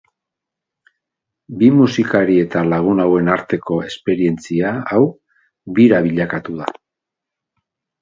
Bi musikari eta lagun hauen arteko esperientzia hau bira bilakatu da.